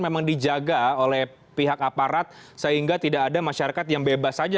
memang dijaga oleh pihak aparat sehingga tidak ada masyarakat yang bebas saja